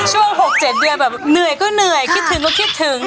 ช่วง๖๗เดือนแบบเหนื่อยก็เหนื่อยคิดถึงก็คิดถึง